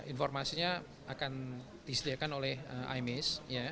informasinya akan disediakan oleh imis